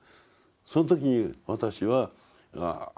その時に私はあ